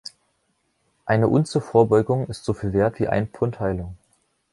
Eine Unze Vorbeugung ist soviel wert wie ein Pfund Heilung